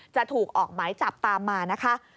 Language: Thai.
จะถูกออกหมายจับตามมานะคะ